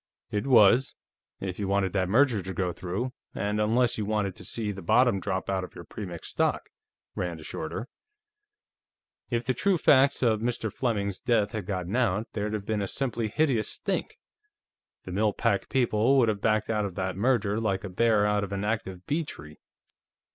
"It was, if you wanted that merger to go through, and unless you wanted to see the bottom drop out of your Premix stock," Rand assured her. "If the true facts of Mr. Fleming's death had gotten out, there'd have been a simply hideous stink. The Mill Pack people would have backed out of that merger like a bear out of an active bee tree....